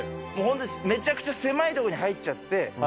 もう本当にめちゃくちゃ狭いとこに入っちゃって。